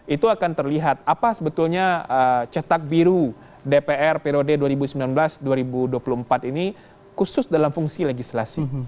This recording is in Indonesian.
itu akan terlihat apa sebetulnya cetak biru dpr periode dua ribu sembilan belas dua ribu dua puluh empat ini khusus dalam fungsi legislasi